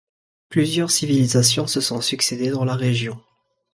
Plusieurs civilisations se sont succédé dans la région.